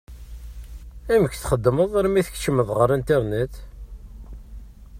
Amek txeddmeḍ armi tkeččmeḍ ɣer Internet?